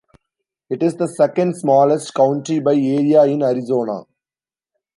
It is the second-smallest county by area in Arizona.